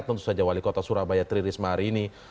tentu saja wali kota surabaya tri risma hari ini